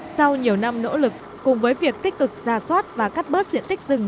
sau nhiều năm nỗ lực cùng với việc tích cực ra soát và cắt bớt diện tích rừng